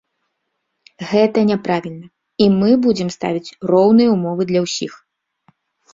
Гэта няправільна, і мы будзем ставіць роўныя ўмовы для ўсіх.